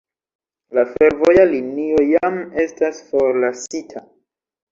La fervoja linio jam estas forlasita.